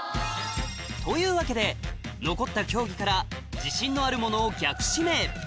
というわけで残った競技から自信のあるものを逆指名